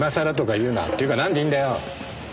っていうかなんでいるんだよ！